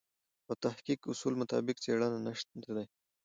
او د تحقیق اصولو مطابق څېړنه نشته دی.